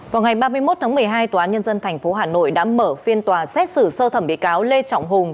vào ngày ba mươi một tháng một mươi hai tòa án nhân dân tp hà nội đã mở phiên tòa xét xử sơ thẩm bị cáo lê trọng hùng